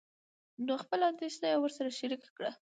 نو خپله اندېښنه يې ورسره شريکه کړه.